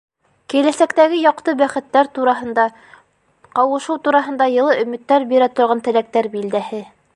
Киләсәктәге яҡты бәхеттәр тураһында, ҡауышыу тураһында йылы өмөттәр бирә торған теләктәр билдәһе...